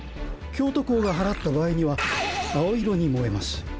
京都校が祓った場合には青色に燃えます。